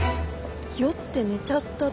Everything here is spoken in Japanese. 「酔って寝ちゃった。